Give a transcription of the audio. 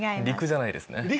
陸じゃないですね。